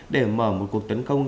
để mở một cuộc tấn công